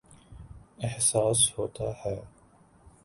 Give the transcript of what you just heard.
احساس ہوتاہے